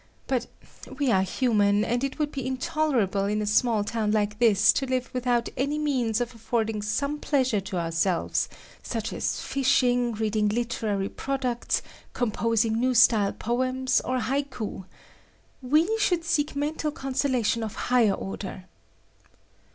But we are human, and it would be intolerable in a small town like this to live without any means of affording some pleasure to ourselves, such as fishing, reading literary products, composing new style poems, or haiku (17 syllable poem). We should seek mental consolation of higher order."